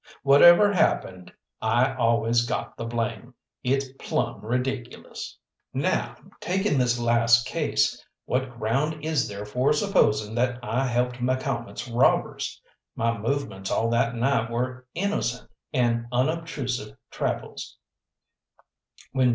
Whatever happened, I always got the blame. It's plumb ridiculous. Now, taking this last case, what ground is there for supposing that I helped McCalmont's robbers? My movements all that night were innocent and unobtrusive travels.